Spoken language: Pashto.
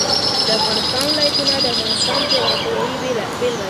د افغانستان ولايتونه د افغانستان د جغرافیې بېلګه ده.